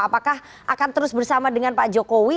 apakah akan terus bersama dengan pak jokowi